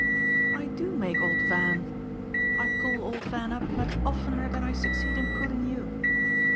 "I do make old Van I pull old Van up much oftener than I succeed in pulling you.